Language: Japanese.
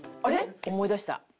思い出した。